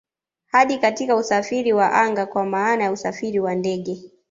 Hadi katika usafiri wa anga kwa maana ya usafiri wa ndege